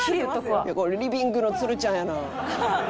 これリビングのつるちゃんやなあ。